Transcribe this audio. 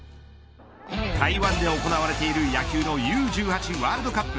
台湾で行われている野球のＵ‐１８ワールドカップ。